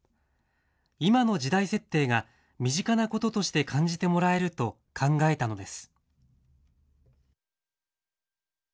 今の時代設定が身近なこととして感じてもらえると考えたのです。